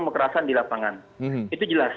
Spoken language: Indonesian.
kekerasan di lapangan itu jelas